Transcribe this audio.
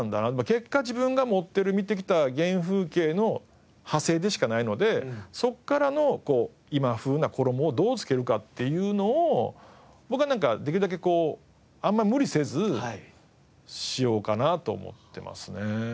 結果自分が持ってる見てきた原風景の派生でしかないのでそこからの今風な衣をどう付けるかっていうのを僕はできるだけあんまり無理せずしようかなと思ってますね。